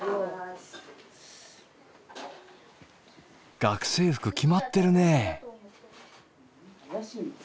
学生服決まってるね。